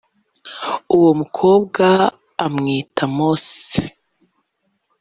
uwo mukobwa amwita mose